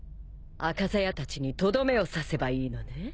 赤鞘たちにとどめを刺せばいいのね。